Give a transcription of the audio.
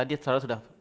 siapa tadi sudah